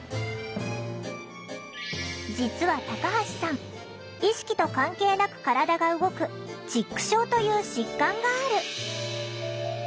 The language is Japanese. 実はタカハシさん意識と関係なく体が動く「チック症」という疾患がある。